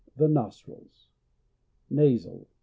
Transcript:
The nostrils. Nasal.